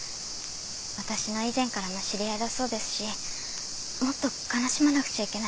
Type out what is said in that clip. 私の以前からの知り合いだそうですしもっと悲しまなくちゃいけないのに。